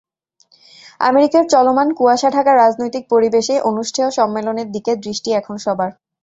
আমেরিকার চলমান কুয়াশা ঢাকা রাজনৈতিক পরিবেশে অনুষ্ঠেয় সম্মেলনের দিকে দৃষ্টি এখন সবার।